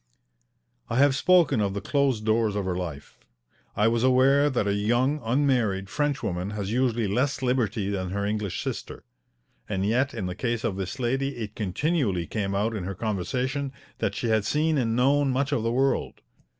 I have spoken of the closed doors of her life. I was aware that a young, unmarried Frenchwoman has usually less liberty than her English sister. And yet in the case of this lady it continually came out in her conversation that she had seen and known much of the world.